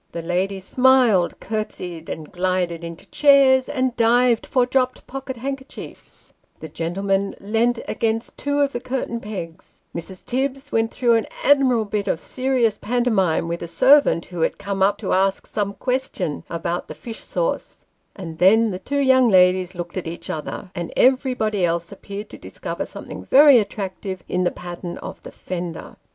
The ladies smiled, curtsied, and glided into chairs, and dived for dropped pocket handkerchiefs : the gentlemen leant against two of the curtain pegs; Mrs. Tibbs went through an admirable bit of serious pantomime with a servant who had come up to ask some question about the fish sauce ; and then the two young ladies looked at each other ; and everybody else appeared to discover something very attractive in the pattern of the fender.